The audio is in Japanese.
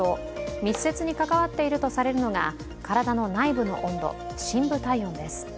密接に関わっているとされるのが体の内部の温度、深部体温です。